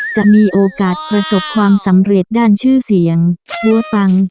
จะมีโอกาสประสบความสำเร็จด้านชื่อเสียงรัวปัง